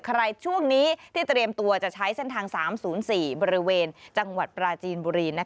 ช่วงนี้ที่เตรียมตัวจะใช้เส้นทาง๓๐๔บริเวณจังหวัดปราจีนบุรี